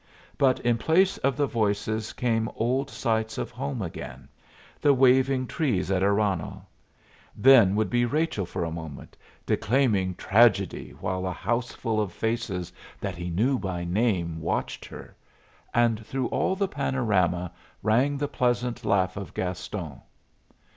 But in place of the voices came old sights of home again, the waving trees at Aranhal; then would be Rachel for a moment, declaiming tragedy while a houseful of faces that he knew by name watched her; and through all the panorama rang the pleasant laugh of Gaston.